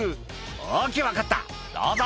「ＯＫ分かったどうぞ」